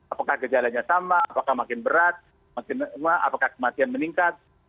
apakah gejalanya sama apakah makin berat apakah kematian meningkat